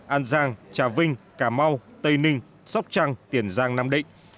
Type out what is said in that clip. an giang trà vinh cà mau tây ninh sóc trăng tiền giang nam định